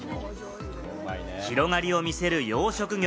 広がりを見せる養殖業。